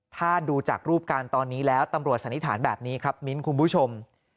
ถ้าดูจากรูปการณ์ตอนนี้แล้วตำรวจสันนิษฐานแบบนี้ครับมิ้นคุณผู้ชม